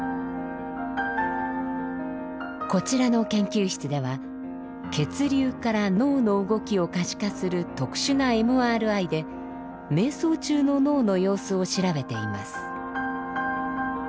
こちらの研究室では血流から脳の動きを可視化する特殊なＭＲＩで瞑想中の脳の様子を調べています。